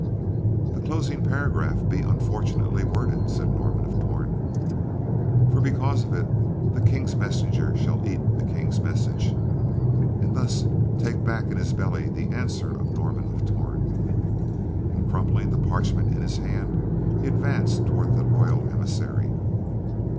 "The closing paragraph be unfortunately worded," said Norman of Torn, "for because of it shall the King's messenger eat the King's message, and thus take back in his belly the answer of Norman of Torn." And crumpling the parchment in his hand, he advanced toward the royal emissary.